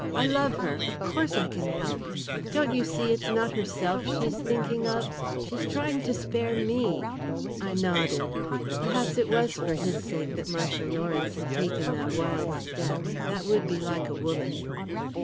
I love her of course I can help. Don't you see, it's not herself she's thinking of she's trying to spare me." I nodded. Perhaps it was for his sake that Marcia Lawrence had taken that wild step. That would be like a woman.